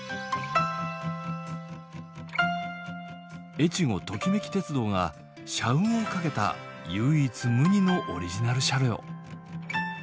えちごトキめき鉄道が社運をかけた唯一無二のオリジナル車両。